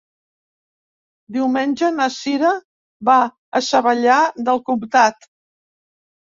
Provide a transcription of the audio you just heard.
Diumenge na Cira va a Savallà del Comtat.